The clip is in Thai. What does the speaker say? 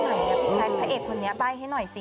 ถึงที่จะให้พ็อเจ็กไปให้หน่อยสิ